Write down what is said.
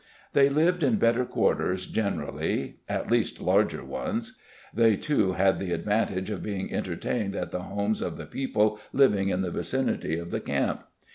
They lived in better quarters, generally, at least larger ones. They, too, had the advantage of being entertained at the homes of the people living in the vicinity of the camp.